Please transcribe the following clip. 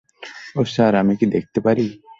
ওহ sir, আমি কি দেখতে পারি?